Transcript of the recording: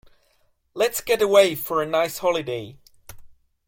Let's get away for a nice holiday.